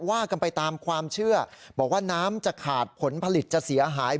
ว่ากันไปตามความเชื่อบอกว่าน้ำจะขาดผลผลิตจะเสียหาย